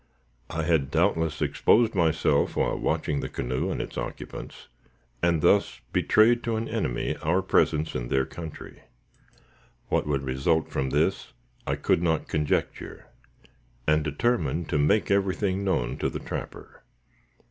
I had, doubtless, exposed myself while watching the canoe and its occupants, and thus betrayed to an enemy our presence in their country. What would result from this, I could not conjecture, and determined to make everything known to the trapper.